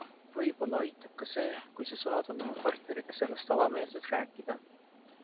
Võib-olla aitab ka see, kui sa saad oma partneriga sellest avameelselt rääkida.